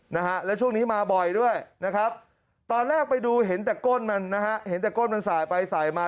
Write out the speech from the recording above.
นะฮะแล้วช่วงนี้มาบ่อยด้วยนะครับตอนแรกไปดูเห็นแต่ก้นมันนะฮะเห็นแต่ก้นมันสายไปสายมา